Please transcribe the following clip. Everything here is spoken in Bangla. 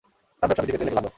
তাঁর ব্যবসা বৃদ্ধি পেতে লাগল।